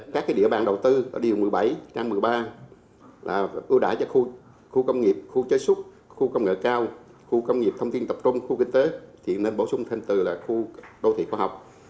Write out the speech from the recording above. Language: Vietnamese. các địa bàn đầu tư ở điều một mươi bảy trang một mươi ba là ưu đãi cho khu công nghiệp khu chế súc khu công nghệ cao khu công nghiệp thông tin tập trung khu kinh tế thì nên bổ sung thêm từ là khu đô thị khoa học